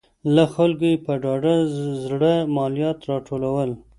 له خلکو یې په ډاډه زړه مالیات راټولول.